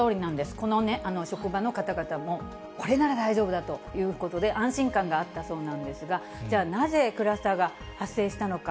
この職場の方々も、これなら大丈夫だということで、安心感があったそうなんですが、じゃあ、なぜ、クラスターが発生したのか。